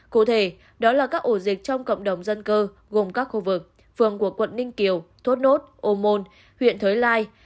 cụ thể đó là các ổ dịch trong cộng đồng dân cư gồm các khu vực phường của quận ninh kiều thốt nốt ô môn huyện thới lai